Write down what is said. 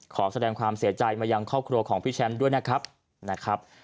ขอแสดงความเสียใจมายังครอบครัวของพี่แชมป์ด้วยนะครับนะครับ